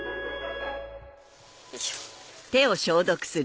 よいしょ。